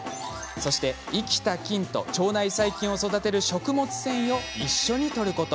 そして生きた菌と腸内細菌を育てる食物繊維を一緒にとること。